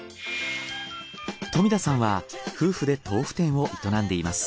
冨田さんは夫婦で豆腐店を営んでいます。